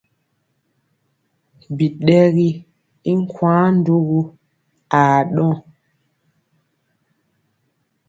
Biɗɛgi i nkwaŋ ndugu aa ɗɔŋ.